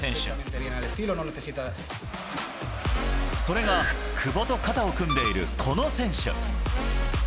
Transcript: それが久保と肩を組んでいるこの選手。